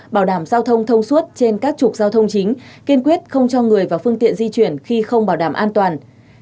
bảo đảm giao thông thông suốt trên các trục giao thông chính kiên quyết không cho người và phương tiện di chuyển khi không bảo đảm an toàn